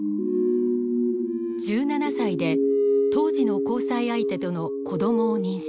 １７歳で当時の交際相手との子どもを妊娠。